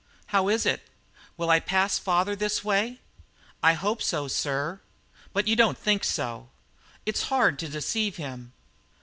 "How is it? Will I pass father this way?" "I hope so, sir." "But you don't think so?" "It's hard to deceive him."